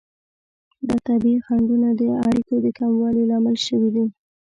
دا طبیعي خنډونه د اړیکو د کموالي لامل شوي دي.